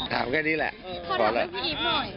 ถามแค่นี้แหละพอแล้ว